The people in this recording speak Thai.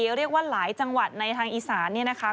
เรียกว่าหลายจังหวัดในทางอีสานเนี่ยนะคะ